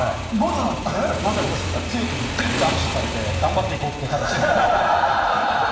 「まだです」って１回強くギュって握手されて、「頑張っていこう」って。